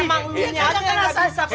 emang dia kan gak kena saksan